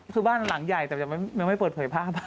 คือบ้านหลังใหญ่แต่ยังไม่เปิดเผยภาพ